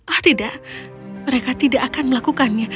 ah tidak mereka tidak akan melakukannya